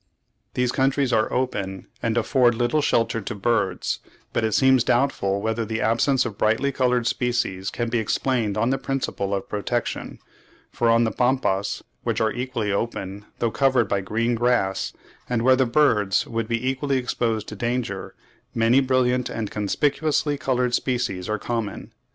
These countries are open, and afford little shelter to birds; but it seems doubtful whether the absence of brightly coloured species can be explained on the principle of protection, for on the Pampas, which are equally open, though covered by green grass, and where the birds would be equally exposed to danger, many brilliant and conspicuously coloured species are common.